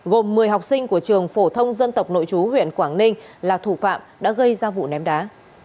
gồm một mươi học sinh của trường phổ thông dân tộc nội chú huyện quảng ninh là thủ phạm đã gây ra vụ ném đá